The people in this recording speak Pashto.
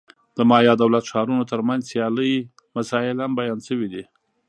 د مایا دولت-ښارونو ترمنځ سیالۍ مسایل هم بیان شوي دي.